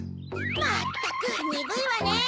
まったくにぶいわねぇ！